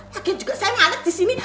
lagian juga saya malek di sini